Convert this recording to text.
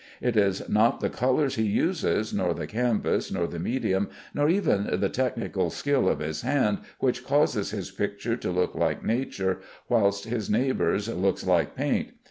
It is not the colors he uses, nor the canvas, nor the medium, nor even the technical skill of his hand which cause his pictures to look like nature, whilst his neighbor's look like paint.